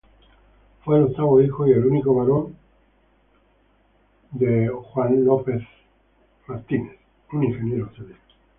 Fue el octavo hijo, y el único varón, de Thomas Sopwith, un ingeniero civil.